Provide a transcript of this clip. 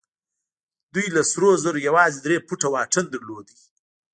دوی له سرو زرو يوازې درې فوټه واټن درلود.